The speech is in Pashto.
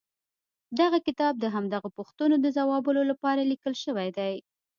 دغه کتاب د همدغو پوښتنو د ځوابولو لپاره ليکل شوی دی.